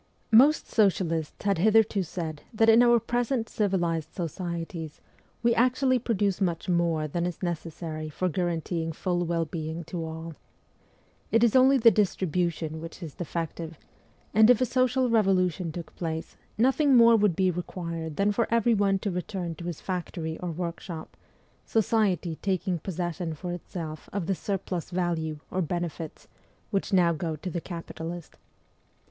Most socialists had hitherto said that in our present civilized societies we actually produce much more than is necessary for guaranteeing full well being to all. It is only the distribution which is defective ; and if a social revolution took place, nothing more would be required than for everyone to return to his factory or workshop, Society taking possession for itself of the ' surplus value ' or benefits which now go to the capitalist.